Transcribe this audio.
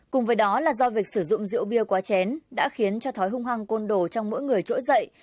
cùng với đó là do việc sử dụng rượu bia quá chén đã khiến cho thói hung hăng côn đồ trong mỗi người trỗi dậy